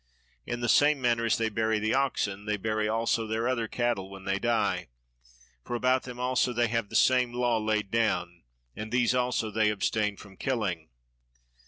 In the same manner as they bury the oxen they bury also their other cattle when they die; for about them also they have the same law laid down, and these also they abstain from killing.